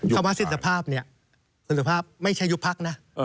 คำว่าสิ้นสภาพเนี่ยคุณสุภาพไม่ใช่ยุบพักนะ